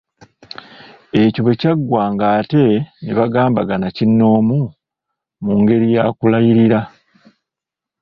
Ekyo bwe kyaggwanga ate ne bagambagana kinnoomu, mu ngeri ya kulayirira.